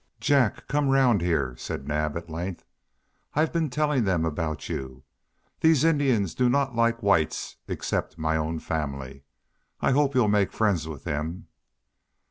"Jack, come round here," said Naab at length. "I've been telling them about you. These Indians do not like the whites, except my own family. I hope you'll make friends with them."